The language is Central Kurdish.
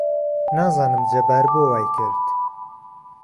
نازانم جەبار بۆ وای کرد.